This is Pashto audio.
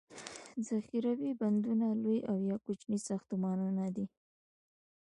ذخیروي بندونه لوي او یا کوچني ساختمانونه دي.